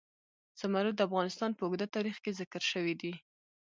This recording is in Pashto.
زمرد د افغانستان په اوږده تاریخ کې ذکر شوی دی.